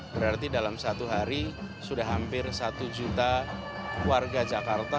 berarti dalam satu hari sudah hampir satu juta warga jakarta